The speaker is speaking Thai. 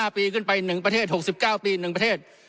๕ปีขึ้นไป๑ประเทศ๖๙ปี๑ประเทศ